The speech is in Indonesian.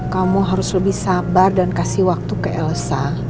kamu harus lebih sabar dan kasih waktu ke elsa